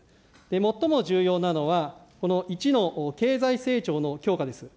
最も重要なのはこの１の経済成長の強化です。